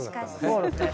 そうですね。